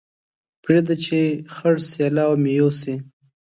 پرېږده چې خړ سېلاو مې يوسي